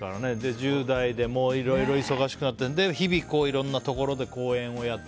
１０代でいろいろ忙しくなって日々、いろんなところで公演をやって。